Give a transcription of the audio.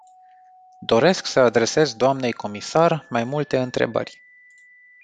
Doresc să adresez doamnei comisar mai multe întrebări.